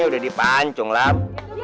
udah dipancung lah